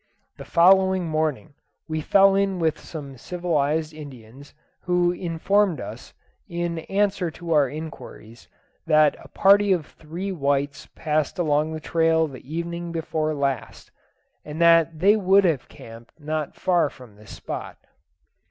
The following morning we fell in with some civilized Indians, who informed us, in answer to our inquiries, that a party of three whites passed along the trail the evening before last, and that they would have encamped not far from this spot.